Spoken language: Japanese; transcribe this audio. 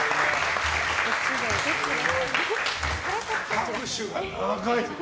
拍手が長い。